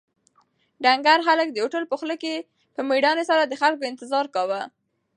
ډنکر هلک د هوټل په خوله کې په مېړانې سره د خلکو انتظار کاوه.